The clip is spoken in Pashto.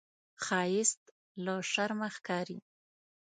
ښایست له شرمه ښکاري